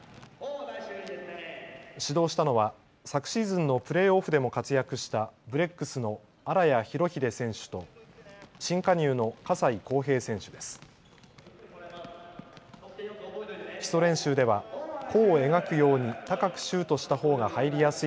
指導したのは昨シーズンのプレーオフでも活躍したブレックスの荒谷裕秀選手と新加入の笠井康平選手です。